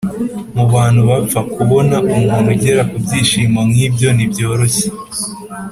mu bantu bapfa, kubona umuntu ugera ku byishimo nk’ibyo ntibyoroshye.”